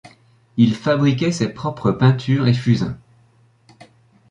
Il fabriquait ses propres peintures et fusains.